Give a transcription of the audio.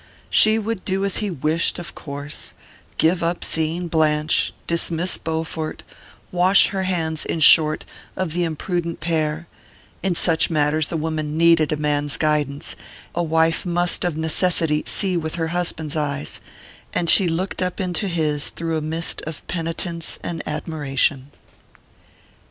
She would do as he wished, of course give up seeing Blanche, dismiss Bowfort, wash her hands, in short, of the imprudent pair in such matters a woman needed a man's guidance, a wife must of necessity see with her husband's eyes; and she looked up into his through a mist of penitence and admiration....